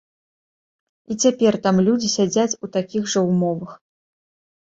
І цяпер там людзі сядзяць у такіх жа ўмовах.